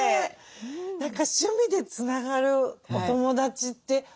何か趣味でつながるお友達って